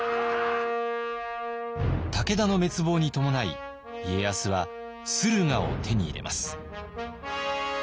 武田の滅亡に伴い家康は駿河を手に入れます。